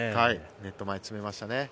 ネット前、詰めましたね。